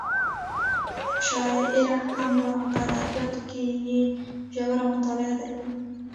شاعره هم وه په ادبیاتو کې یې ژوره مطالعه درلوده.